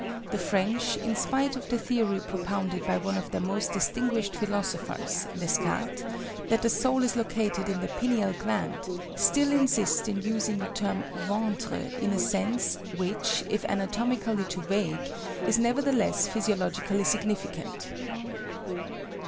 The French, in spite of the theory propounded by one of their most distinguished philosophers, Descartes, that the soul is located in the pineal gland, still insist in using the term ventre in a sense, which, if anatomically too vague, is nevertheless physiologically significant.